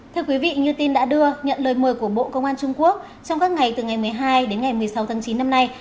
thưa quý vị như tin đã đưa nhận lời mời của bộ công an trung quốc trong các ngày từ ngày một mươi hai đến ngày một mươi sáu tháng chín năm nay